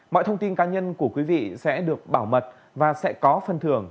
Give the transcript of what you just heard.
mọi thông tin cá nhân của quý vị sẽ được bảo mật và sẽ có phần thưởng